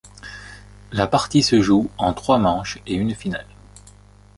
La partie se joue en trois manches et une finale.